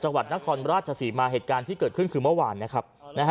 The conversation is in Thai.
จังหวัดนครราชศรีมาเหตุการณ์ที่เกิดขึ้นคือเมื่อวานนะครับ